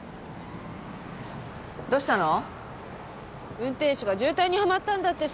運転手が渋滞にはまったんだってさ。